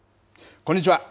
こんにちは。